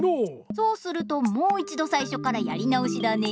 そうするともういちどさいしょからやりなおしだね。